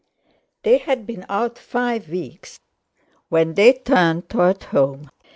They had been out five weeks when they turned toward home.